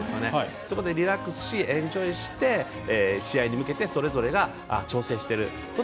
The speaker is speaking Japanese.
そこでリラックスしエンジョイして、試合に向けてそれぞれが調整している。